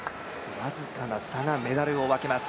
僅かな差がメダルを分けます。